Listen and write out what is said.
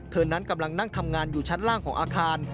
นั้นกำลังนั่งทำงานอยู่ชั้นล่างของอาคาร